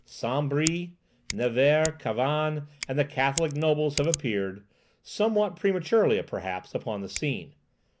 Saint Bris, Nevers, Cavannes, and the Catholic nobles have appeared, somewhat prematurely, perhaps, upon the scene.